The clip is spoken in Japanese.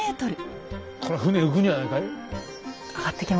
これは船浮くんじゃないかい？